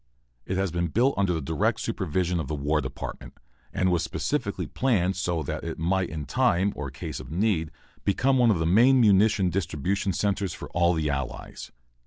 It has been built under the direct supervision of the War Department, and was specifically planned so that it might in time, or case of need, become one of the main munition distribution centres for all the Allies.